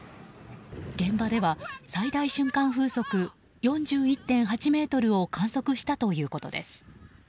現場では最大瞬間風速４１．８メートルを観測したということです。